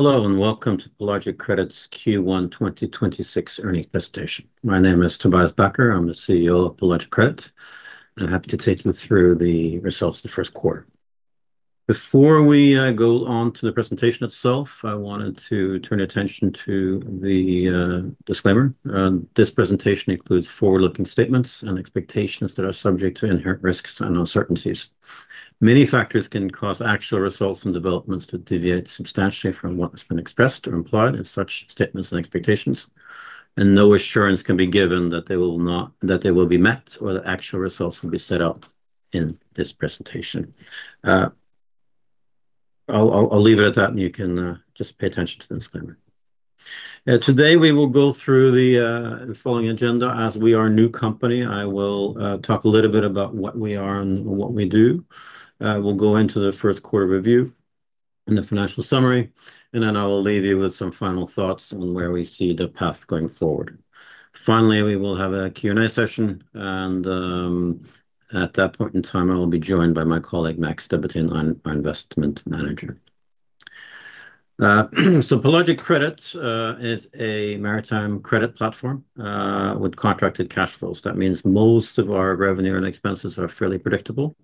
Hello, welcome to Pelagic Credit's Q1 2026 earnings presentation. My name is Tobias Backer, I'm the CEO of Pelagic Credit, I'm happy to take you through the results of the first quarter. Before we go on to the presentation itself, I wanted to turn attention to the disclaimer. This presentation includes forward-looking statements and expectations that are subject to inherent risks and uncertainties. Many factors can cause actual results and developments to deviate substantially from what has been expressed or implied in such statements and expectations, no assurance can be given that they will be met or the actual results will be set out in this presentation. I'll leave it at that, you can just pay attention to the disclaimer. Today, we will go through the following agenda. We are a new company, I will talk a little bit about what we are and what we do. We'll go into the first quarter review and the financial summary, I will leave you with some final thoughts on where we see the path going forward. Finally, we will have a Q&A session and, at that point in time, I will be joined by my colleague, Max Debatin, our Investment Manager. Pelagic Credit is a maritime credit platform with contracted cash flows. That means most of our revenue and expenses are fairly predictable,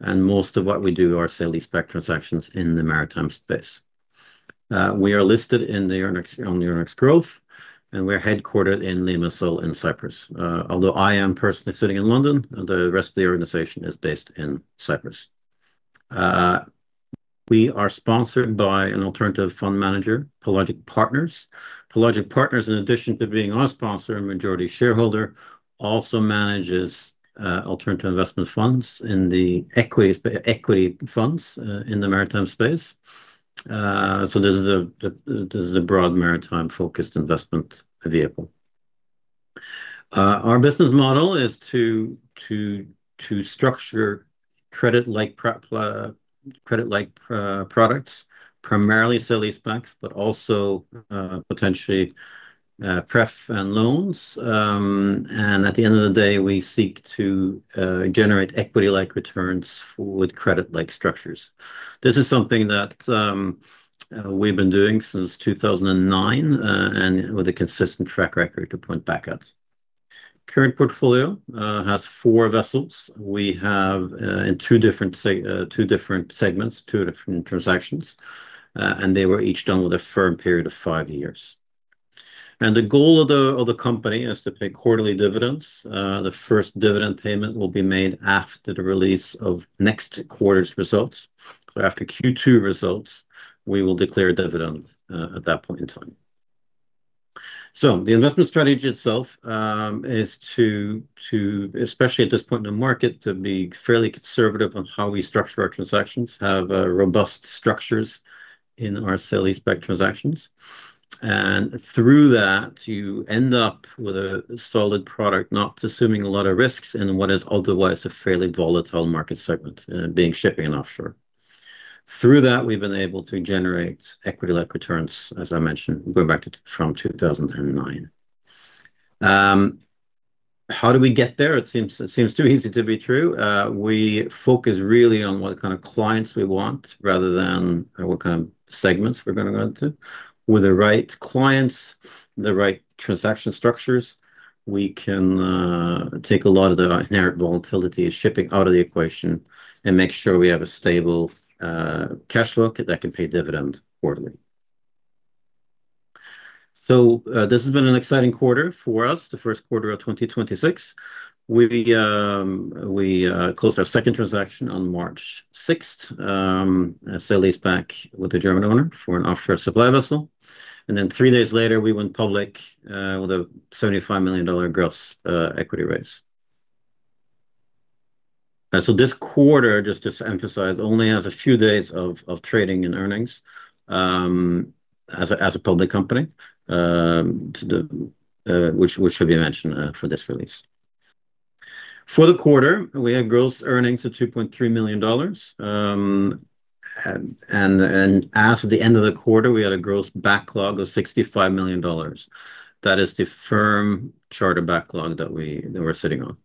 and most of what we do are sale leaseback transactions in the maritime space. We are listed on the Euronext Growth, and we're headquartered in Limassol in Cyprus. Although I am personally sitting in London, the rest of the organization is based in Cyprus. We are sponsored by an alternative fund manager, Pelagic Partners. Pelagic Partners, in addition to being our sponsor and majority shareholder, also manages alternative investment funds in the equity funds in the maritime space. This is a broad maritime-focused investment vehicle. Our business model is to structure credit-like products, primarily sale leasebacks, but also potentially pref and loans. At the end of the day, we seek to generate equity-like returns with credit-like structures. This is something that we've been doing since 2009, and with a consistent track record to point back at. Current portfolio has four vessels. We have two different segments, two different transactions, and they were each done with a firm period of five years. The goal of the company is to pay quarterly dividends. The first dividend payment will be made after the release of next quarter's results. After Q2 results, we will declare a dividend at that point in time. The investment strategy itself is to, especially at this point in the market, to be fairly conservative on how we structure our transactions, have robust structures in our sale leaseback transactions. Through that, you end up with a solid product not assuming a lot of risks in what is otherwise a fairly volatile market segment, being shipping and offshore. Through that, we've been able to generate equity-like returns, as I mentioned, going back from 2009. How do we get there? It seems too easy to be true. We focus really on what kind of clients we want rather than what kind of segments we're going to go into. With the right clients, the right transaction structures, we can take a lot of the inherent volatility of shipping out of the equation and make sure we have a stable cash flow that can pay dividend quarterly. This has been an exciting quarter for us, the first quarter of 2026. We closed our second transaction on March 6th, a sale leaseback with a German owner for an offshore supply vessel. Three days later, we went public with a $75 million gross equity raise. This quarter, just to emphasize, only has a few days of trading and earnings as a public company, which should be mentioned for this release. For the quarter, we had gross earnings of $2.3 million. As of the end of the quarter, we had a gross backlog of $65 million. That is the firm charter backlog that we're sitting on.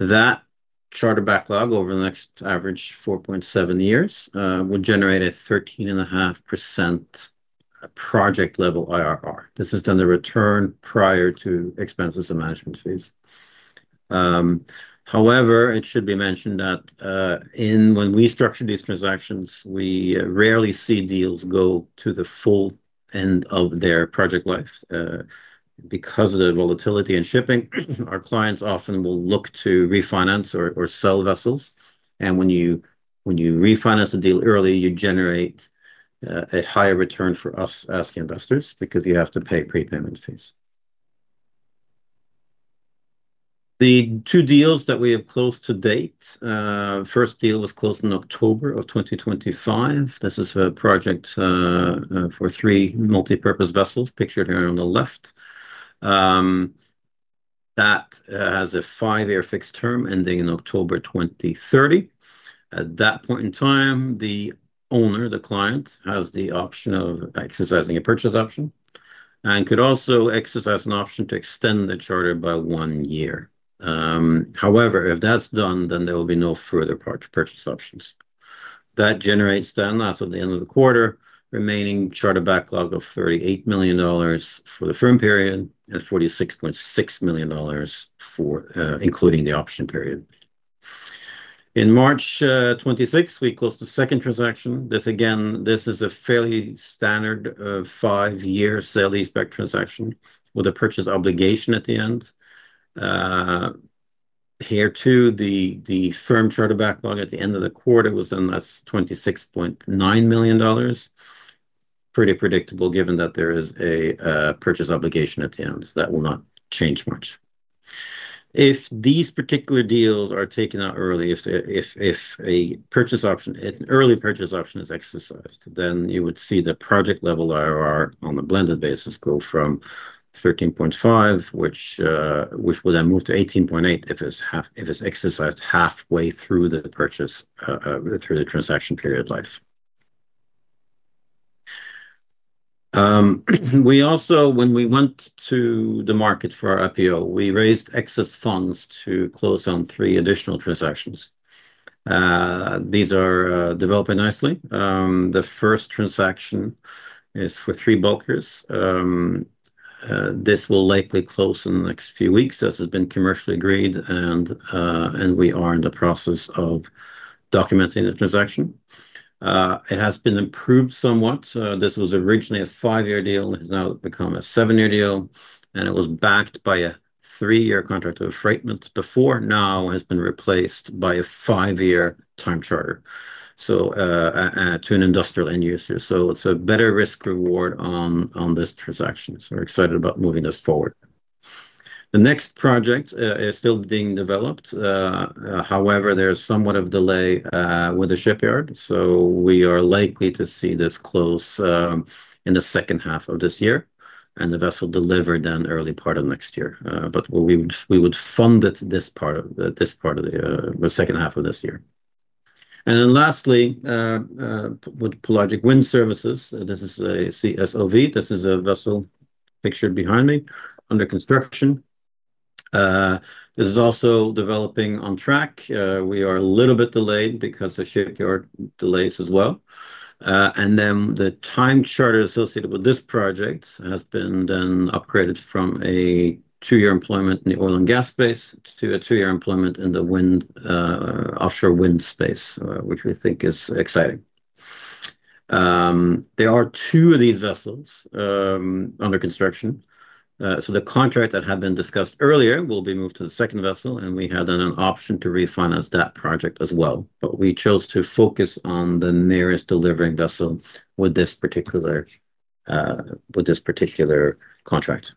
That charter backlog over the next average 4.7 years would generate a 13.5% project level IRR. This is the return prior to expenses and management fees. It should be mentioned that when we structure these transactions, we rarely see deals go to the full end of their project life. Of the volatility in shipping, our clients often will look to refinance or sell vessels. When you refinance the deal early, you generate a higher return for us as the investors because you have to pay prepayment fees. The two deals that we have closed to date. First deal was closed in October of 2025. This is a project for three multipurpose vessels pictured here on the left. That has a five-year fixed term ending in October 2030. At that point in time, the owner, the client, has the option of exercising a purchase option and could also exercise an option to extend the charter by one year. However, if that's done, then there will be no further purchase options. That generates then, that's at the end of the quarter, remaining charter backlog of $38 million for the firm period and $46.6 million including the option period. In March 26th, we closed the second transaction. This, again, this is a fairly standard five-year sale leaseback transaction with a purchase obligation at the end. Here, too, the firm charter backlog at the end of the quarter was then that's $26.9 million. Pretty predictable given that there is a purchase obligation at the end. That will not change much. If these particular deals are taken out early, if an early purchase option is exercised, then you would see the project level IRR on the blended basis go from 13.5%, which will then move to 18.8% if it's exercised halfway through the transaction period life. We also, when we went to the market for our IPO, we raised excess funds to close on three additional transactions. These are developing nicely. The first transaction is for three bulkers. This will likely close in the next few weeks as has been commercially agreed, and we are in the process of documenting the transaction. It has been improved somewhat. This was originally a five-year deal and has now become a seven-year deal, and it was backed by a three-year contract of affreightment before now has been replaced by a five-year time charter to an industrial end user. It's a better risk-reward on this transaction, so we're excited about moving this forward. The next project is still being developed. However, there is somewhat of delay with the shipyard, so we are likely to see this close in the second half of this year and the vessel delivered then early part of next year. We would fund it this part of the second half of this year. Lastly, with Pelagic Wind Services, this is a CSOV. This is a vessel pictured behind me under construction. This is also developing on track. We are a little bit delayed because of shipyard delays as well. The time charter associated with this project has been then upgraded from a two-year employment in the oil and gas space to a two-year employment in the offshore wind space, which we think is exciting. There are two of these vessels under construction. The contract that had been discussed earlier will be moved to the second vessel, and we had then an option to refinance that project as well. We chose to focus on the nearest delivering vessel with this particular contract.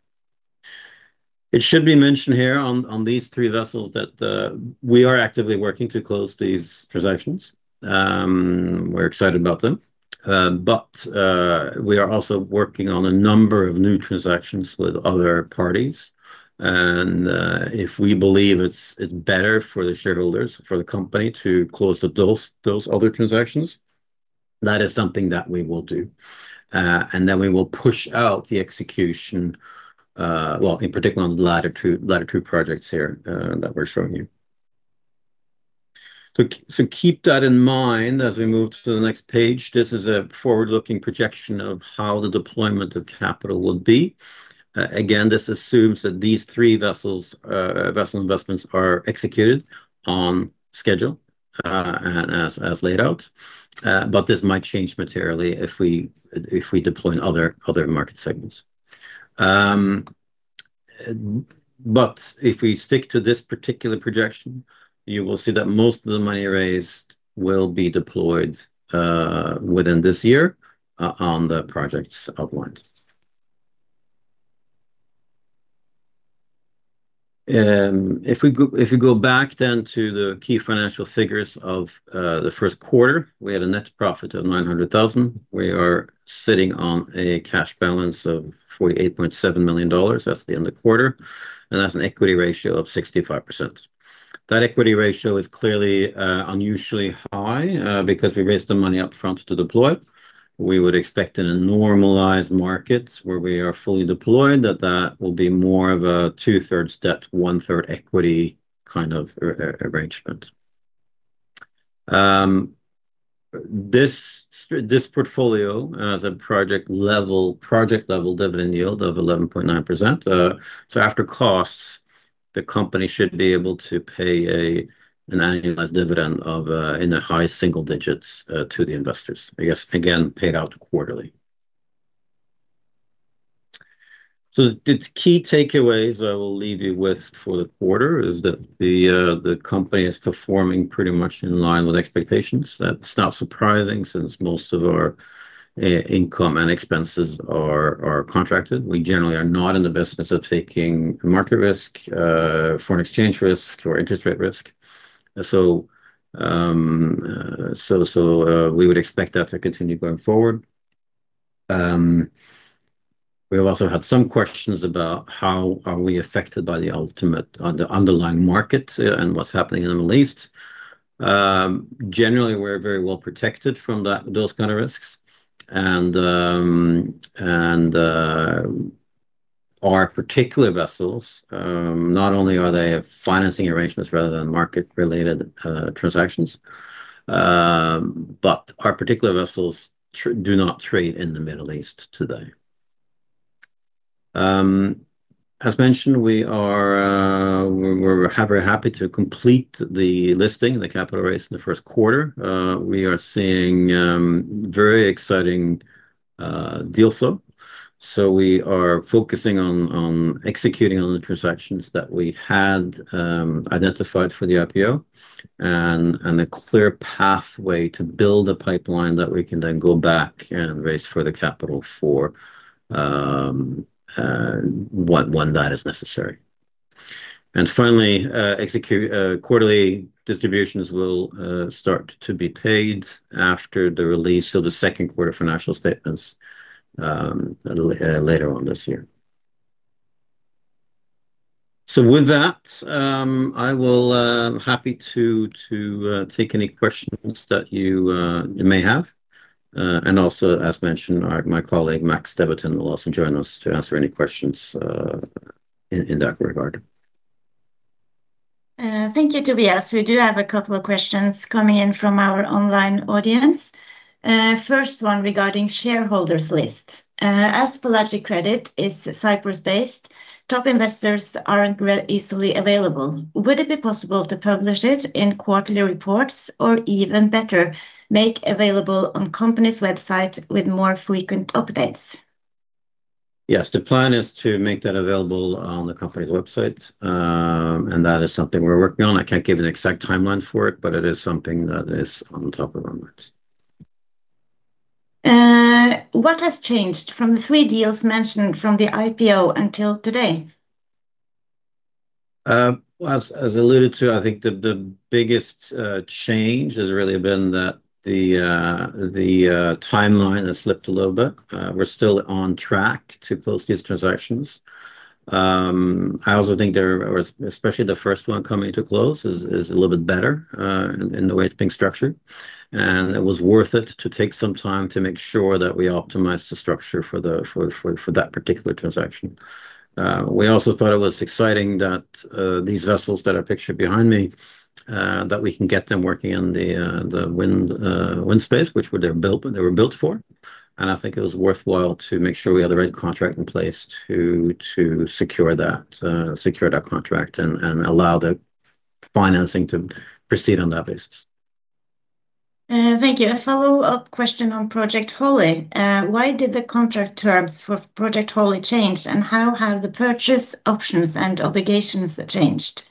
It should be mentioned here on these three vessels that we are actively working to close these transactions. We're excited about them. We are also working on a number of new transactions with other parties. If we believe it's better for the shareholders, for the company to close those other transactions, that is something that we will do. Then we will push out the execution, well, in particular on the latter two projects here that we're showing you. Keep that in mind as we move to the next page. This is a forward-looking projection of how the deployment of capital will be. Again, this assumes that these three vessel investments are executed on schedule, as laid out. This might change materially if we deploy in other market segments. If we stick to this particular projection, you will see that most of the money raised will be deployed within this year on the projects outlined. If you go back then to the key financial figures of the first quarter, we had a net profit of $900,000. We are sitting on a cash balance of $48.7 million. That's the end of quarter, and that's an equity ratio of 65%. That equity ratio is clearly unusually high, because we raised the money up front to deploy. We would expect in a normalized market where we are fully deployed, that that will be more of a 2/3 debt, 1/3 equity kind of arrangement. This portfolio has a project level dividend yield of 11.9%. After costs, the company should be able to pay an annualized dividend in the high single digits to the investors, I guess, again, paid out quarterly. The key takeaways I will leave you with for the quarter is that the company is performing pretty much in line with expectations. That's not surprising since most of our income and expenses are contracted. We generally are not in the business of taking market risk, foreign exchange risk, or interest rate risk. We would expect that to continue going forward. We have also had some questions about how are we affected by the ultimate, the underlying market and what's happening in the Middle East. Generally, we're very well protected from those kind of risks and our particular vessels, not only are they financing arrangements rather than market-related transactions, but our particular vessels do not trade in the Middle East today. As mentioned, we're very happy to complete the listing, the capital raise in the first quarter. We are seeing very exciting deal flow. We are focusing on executing on the transactions that we've had identified for the IPO and a clear pathway to build a pipeline that we can then go back and raise further capital for when that is necessary. Finally, quarterly distributions will start to be paid after the release of the second quarter financial statements later on this year. With that, I'm happy to take any questions that you may have. Also, as mentioned, my colleague, Max Debatin, will also join us to answer any questions in that regard. Thank you, Tobias. We do have a couple of questions coming in from our online audience. First one regarding shareholders list. As Pelagic Credit is Cyprus-based, top investors aren't easily available. Would it be possible to publish it in quarterly reports or, even better, make available on company's website with more frequent updates? Yes, the plan is to make that available on the company's website. That is something we're working on. I can't give an exact timeline for it, but it is something that is on top of our list. What has changed from the three deals mentioned from the IPO until today? As alluded to, I think the biggest change has really been that the timeline has slipped a little bit. We're still on track to close these transactions. I also think, especially the first one coming to a close, is a little bit better in the way it's being structured, and it was worth it to take some time to make sure that we optimized the structure for that particular transaction. We also thought it was exciting that these vessels that are pictured behind me, that we can get them working in the wind space, which they were built for. I think it was worthwhile to make sure we had the right contract in place to secure that contract and allow the financing to proceed on that basis. Thank you. A follow-up question on Project Holly. Why did the contract terms for Project Holly change, and how have the purchase options and obligations changed?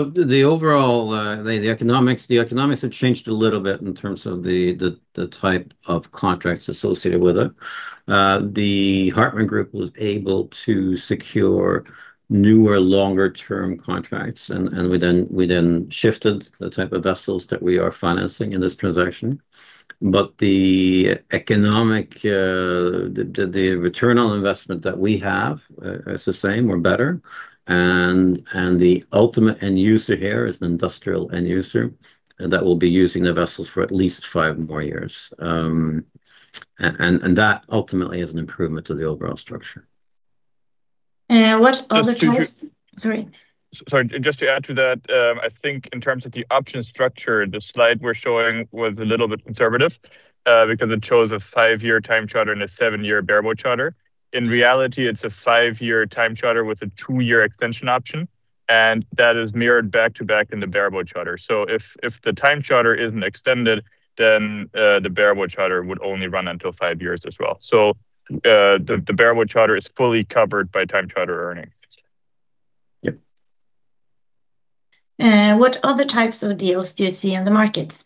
The economics have changed a little bit in terms of the type of contracts associated with it. The Hartmann Group was able to secure newer, longer-term contracts, and we then shifted the type of vessels that we are financing in this transaction. The return on investment that we have is the same or better, and the ultimate end user here is an industrial end user that will be using the vessels for at least five more years. That ultimately is an improvement to the overall structure. What other types. Sorry. Sorry. Just to add to that, I think in terms of the option structure, the slide we're showing was a little bit conservative because it shows a five-year time charter and a seven-year bareboat charter. In reality, it's a five-year time charter with a two-year extension option. That is mirrored back to back in the bareboat charter. If the time charter isn't extended, then the bareboat charter would only run until five years as well. The bareboat charter is fully covered by time charter earnings. Yep. What other types of deals do you see in the markets?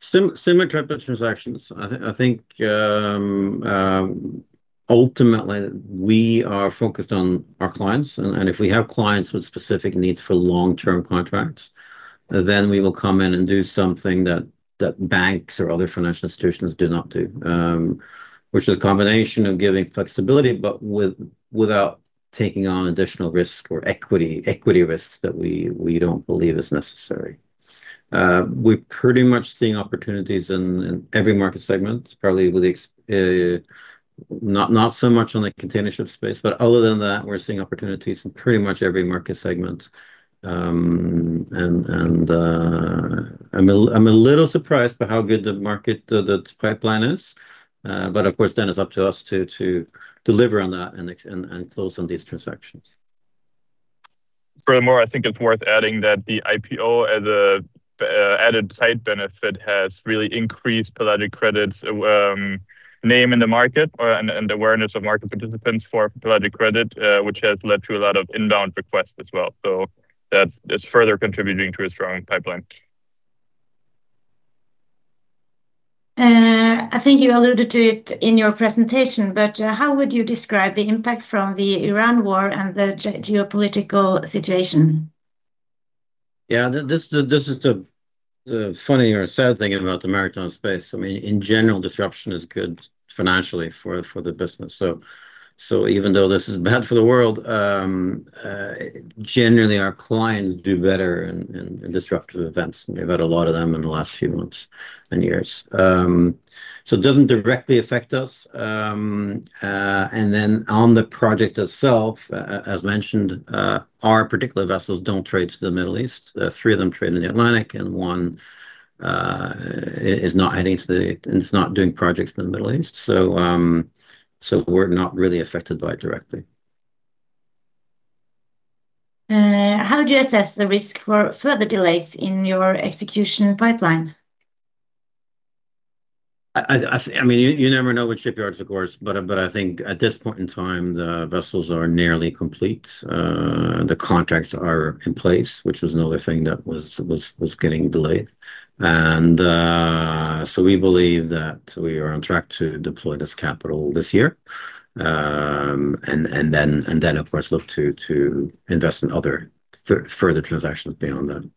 Similar type of transactions. I think ultimately we are focused on our clients, and if we have clients with specific needs for long-term contracts, then we will come in and do something that banks or other financial institutions do not do, which is a combination of giving flexibility, but without taking on additional risk or equity risks that we don't believe is necessary. We're pretty much seeing opportunities in every market segment, probably Not so much on the container ship space, but other than that, we're seeing opportunities in pretty much every market segment. I'm a little surprised by how good the market, the pipeline is. Of course, then it's up to us to deliver on that and close on these transactions. Furthermore, I think it's worth adding that the IPO as a added side benefit has really increased Pelagic Credit's name in the market and awareness of market participants for Pelagic Credit, which has led to a lot of inbound requests as well. That's further contributing to a strong pipeline. I think you alluded to it in your presentation, but how would you describe the impact from the Iran war and the geopolitical situation? Yeah, this is the funny or sad thing about the maritime space, in general, disruption is good financially for the business. Even though this is bad for the world, generally, our clients do better in disruptive events, and we've had a lot of them in the last few months and years. It doesn't directly affect us. On the project itself, as mentioned, our particular vessels don't trade to the Middle East. Three of them trade in the Atlantic, and It's not doing projects in the Middle East. We're not really affected by it directly. How do you assess the risk for further delays in your execution pipeline? You never know with shipyards, of course, but I think at this point in time, the vessels are nearly complete. The contracts are in place, which was another thing that was getting delayed. We believe that we are on track to deploy this capital this year. Then, of course, look to invest in other further transactions beyond that.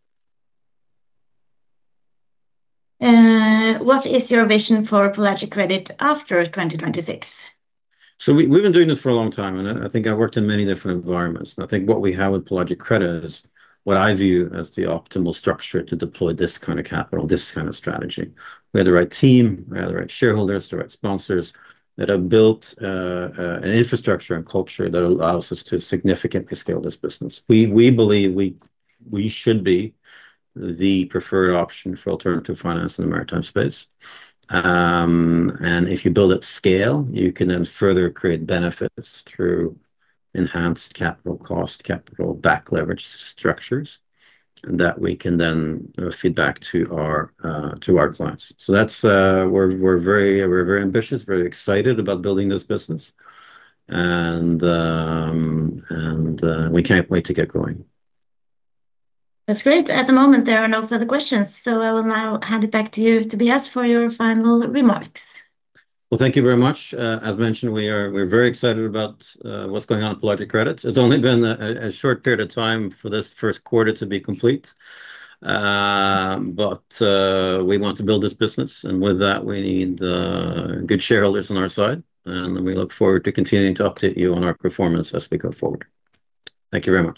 What is your vision for Pelagic Credit after 2026? We've been doing this for a long time, and I think I've worked in many different environments. I think what we have with Pelagic Credit is what I view as the optimal structure to deploy this kind of capital, this kind of strategy. We have the right team, we have the right shareholders, the right sponsors that have built an infrastructure and culture that allows us to significantly scale this business. We believe we should be the preferred option for alternative finance in the maritime space. If you build at scale, you can then further create benefits through enhanced capital cost, capital back leverage structures that we can then feed back to our clients. We're very ambitious, very excited about building this business, and we can't wait to get going. That's great. At the moment, there are no further questions. I will now hand it back to you, Tobias, for your final remarks. Well, thank you very much. As mentioned, we're very excited about what's going on at Pelagic Credit. It's only been a short period of time for this first quarter to be complete. We want to build this business, and with that, we need good shareholders on our side, and we look forward to continuing to update you on our performance as we go forward. Thank you very much